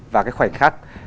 và cái khoảnh khắc